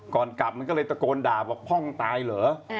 ก่อนกลับมันก็เลยตะโกนด่าบอกพ่องตายเหรอ